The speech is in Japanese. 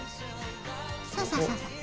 そうそうそうそう。